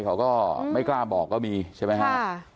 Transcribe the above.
เขาก็ไม่กล้าบอกก็มีใช่ไหมฮะ